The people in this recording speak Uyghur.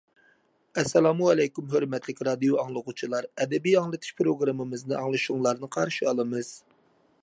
ئەسسالامۇئەلەيكۇم ھۆرمەتلىك رادىئو ئاڭلىغۇچىلار، ئەدەبىي ئاڭلىتىش پروگراممىمىزنى ئاڭلىشىڭلارنى قارشى ئالىمىز.